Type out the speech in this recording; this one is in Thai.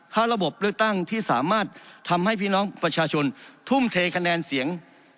ถ้าระบบเลือกตั้งที่สามารถทำให้พี่น้องประชาชนทุ่มเทคะแนนเสียง